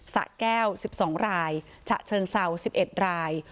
สะแก้ว๑๒รายฉะเชิงเศร้า๑๑ราย